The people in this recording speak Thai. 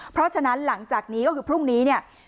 เพราะฉะนั้นหลังจากนี้ก็คือพรุ่งนี้เนี่ย